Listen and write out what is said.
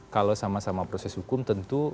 kalau sama sama proses hukum tentu